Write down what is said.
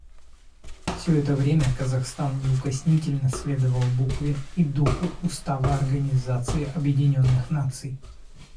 Все это время Казахстан неукоснительно следовал букве и духу Устава Организации Объединенных Наций.